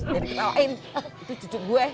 biar ditawain itu cucuk gue